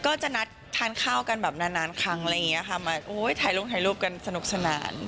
ก็จะนัดทานข้ากันแบบนานครั้งมาถ่ายรุ่นถ่ายรูปกันสนุกสนาน